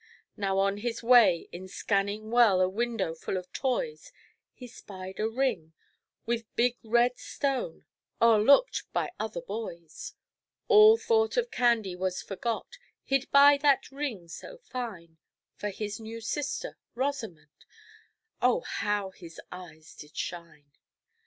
Now on his way, in scanning well A window full of toys, He spied a ring with big red stone, O'erlooked by other boys. All thought of candy was forgot. He'd buy that ring so fine For his new sister, Rosamond Oh, how his eyes did shine!